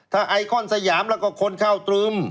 ถ้าไอคอนสยามแล้วก็คนเข้าตรึม